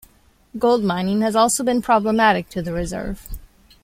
Gold mining has also been problematic to the Reserve.